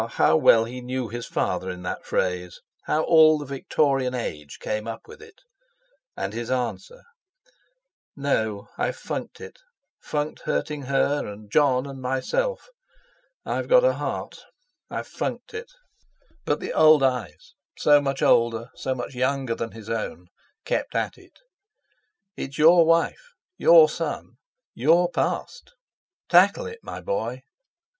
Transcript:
how well he knew his father in that phrase; how all the Victorian Age came up with it! And his answer "No, I've funked it—funked hurting her and Jon and myself. I've got a heart; I've funked it." But the old eyes, so much older, so much younger than his own, kept at it; "It's your wife, your son; your past. Tackle it, my boy!"